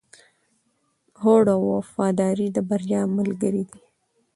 هوډ او وفاداري د بریا ملګري دي.